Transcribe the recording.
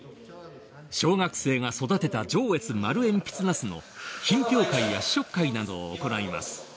小学生が育てた上越丸えんぴつナスの品評会や試食会などを行います。